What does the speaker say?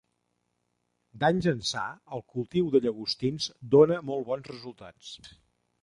D'anys ençà, el cultiu de llagostins dóna molt bons resultats.